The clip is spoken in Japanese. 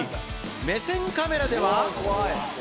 目線カメラでは。